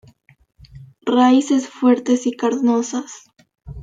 Raíces fuertes y carnosas.